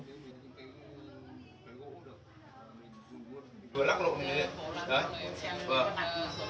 với lắc lộn như thế này